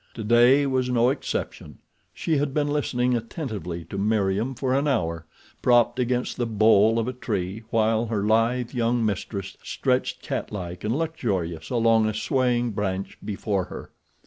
Today was no exception. She had been listening attentively to Meriem for an hour, propped against the bole of a tree while her lithe, young mistress stretched catlike and luxurious along a swaying branch before her.